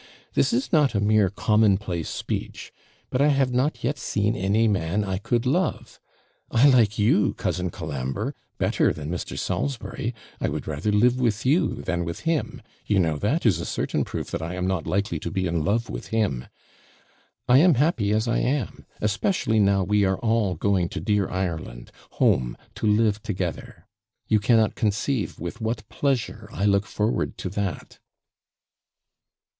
This is not a mere commonplace speech; but I have not yet seen any man I could love. I like you, cousin Colambre, better than Mr. Salisbury I would rather live with you than with him; you know that is a certain proof that I am not likely to be in love with him. I am happy as I am, especially now we are all going to dear Ireland, home, to live together: you cannot conceive with what pleasure I look forward to that.'